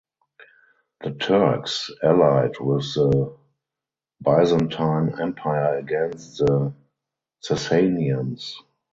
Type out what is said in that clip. The Turks allied with the Byzantine Empire against the Sasanians.